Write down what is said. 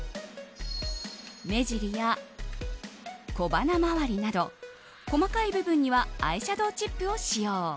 目じりや小鼻周りなど細かい部分にはアイシャドーチップを使用。